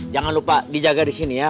jangan lupa dijaga di sini ya